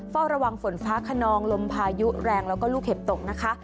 เฝ้าระวังฝนฟ้าขนองลมพายุแรงแล้วก็ลูกเห็บตกนะคะ